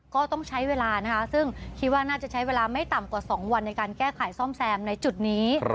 ก็ต้องใช้เวลานะคะซึ่งคิดว่าน่าจะใช้เวลาไม่ต่ำกว่า๒วันในการแก้ไขซ่อมแซมในจุดนี้